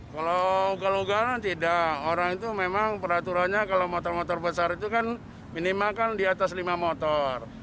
kalau ugal ugalan tidak orang itu memang peraturannya kalau motor motor besar itu kan minimalkan di atas lima motor